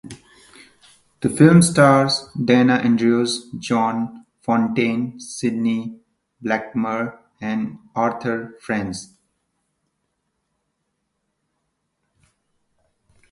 The film stars Dana Andrews, Joan Fontaine, Sidney Blackmer, and Arthur Franz.